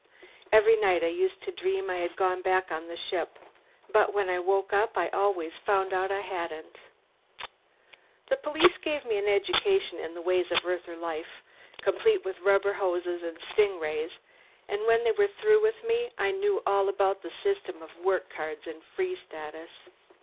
Every night I used to dream I had gone back on the ship. But when I woke up I always found out I hadn't. "The police gave me an education in the ways of Earther life, complete with rubber hoses and stingrays, and when they were through with me I knew all about the system of work cards and free status.